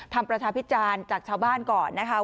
ประชาพิจารณ์จากชาวบ้านก่อนนะคะ